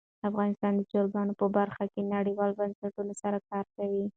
افغانستان د چرګانو په برخه کې نړیوالو بنسټونو سره کار کوي.